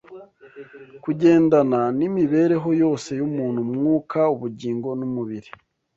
kugendana n’imibereho yose y’umuntu umwuka, ubugingo, n’umubiri